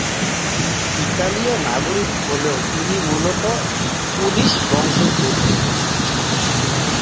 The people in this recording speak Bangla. ইতালীয় নাগরিক হলেও তিনি মূলত পোলিশ বংশোদ্ভূত।